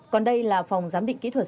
còn đây là phòng giám định kỹ thuật